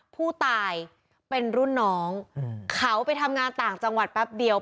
ผู้ตายเป็นรุ่นน้องเขาไปทำงานต่างจังหวัดแป๊บเดียว